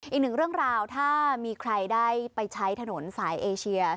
อีกหนึ่งเรื่องราวถ้ามีใครได้ไปใช้ถนนสายเอเชีย